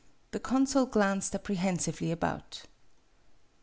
The consul glanced apprehensively about.